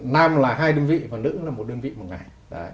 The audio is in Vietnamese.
nam là hai đơn vị và nữ là một đơn vị một ngày